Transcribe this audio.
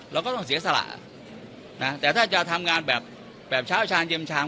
เราก็ต้องเสียสละนะแต่ถ้าจะทำงานแบบแบบเช้าชาญเย็นชาม